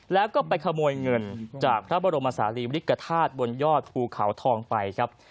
แล้วก็ไปขโมยเงินจากพระบรมศาลีบริกฐาตุบนยอดภูเขาทองไปครับ